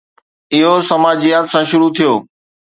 اهو سماجيات سان شروع ٿيو